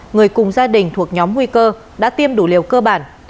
người cùng gia đình thuộc nhóm nguy cơ đã tiêm đủ liều cơ bản